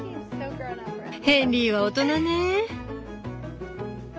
ヘンリーは大人ねぇ。